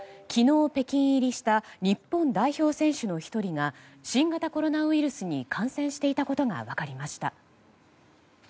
昨日、北京入りした日本代表選手の１人が新型コロナウイルスに感染していたことが分かりました。